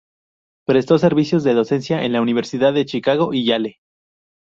Prestó servicios de docencia en la Universidad de Chicago y Yale.